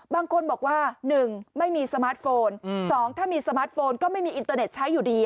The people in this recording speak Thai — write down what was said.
บางคนบอกว่า๑ไม่มีสมาร์ทโฟน๒ถ้ามีสมาร์ทโฟนก็ไม่มีอินเตอร์เน็ตใช้อยู่ดี